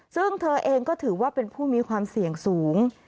ซึ่งเธอเองก็ถือว่าเป็นผู้มีความเสี่ยงสูง